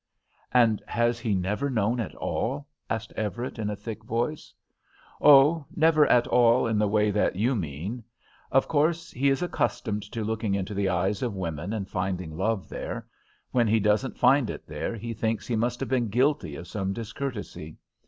"And has he never known at all?" asked Everett, in a thick voice. "Oh! never at all in the way that you mean. Of course, he is accustomed to looking into the eyes of women and finding love there; when he doesn't find it there he thinks he must have been guilty of some discourtesy.